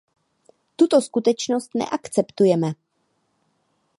Tuto skutečnost neakceptujeme.